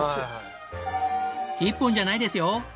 １本じゃないですよ！